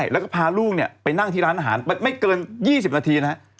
แล้วก็พาลูกไปนั่งที่ร้านอาหารไม่เกิน๒๐นาทีนะฮะ